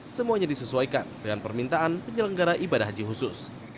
semuanya disesuaikan dengan permintaan penyelenggara ibadah haji khusus